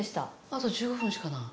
あと１５分しかない。